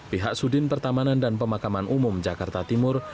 pihak sudin pertamanan dan pemakaman umum jakarta timur